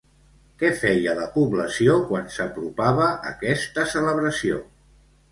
Què feia la població quan s'apropava aquesta celebració?